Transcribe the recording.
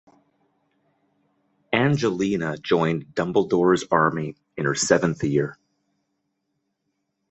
Angelina joined Dumbledore's Army in her seventh year.